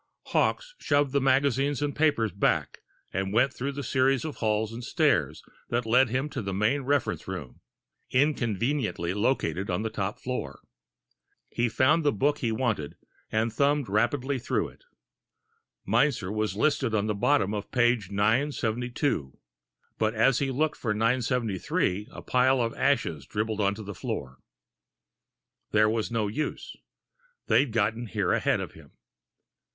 Hawkes shoved the magazines and papers back, and went through the series of halls and stairs that led him to the main reference room, inconveniently located on the top floor. He found the book he wanted, and thumbed rapidly through it. Meinzer was listed on the bottom of page 972 but as he looked for 973, a pile of ashes dribbled onto the floor. There was no use. They'd gotten there ahead of him.